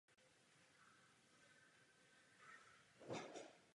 Lech přišel v dávných časech na české území společně s bratrem a velkou družinou.